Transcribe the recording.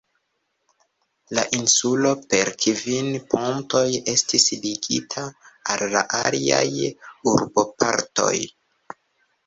La insulo per kvin pontoj estis ligita al la aliaj urbopartoj.